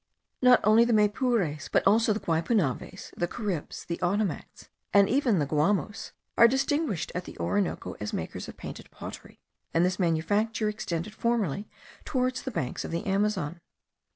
Not only the Maypures, but also the Guaypunaves, the Caribs, the Ottomacs, and even the Guamos, are distinguished at the Orinoco as makers of painted pottery, and this manufacture extended formerly towards the banks of the Amazon.